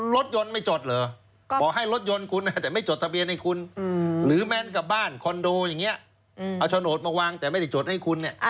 รถยนต์ไม่จดเหรอบอกให้รถยนต์คุณแต่ไม่จดทะเบียนให้คุณหรือแมนกลับบ้านคอนโดอย่างนี้เอาโฉนดมาวางแต่ไม่ได้จดให้คุณเนี่ย